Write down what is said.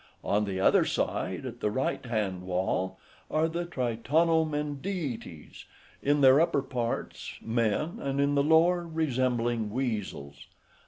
On the other side, at the right hand wall, are the Tritonomendetes, {104b} in their upper parts men, and in the lower resembling weasels.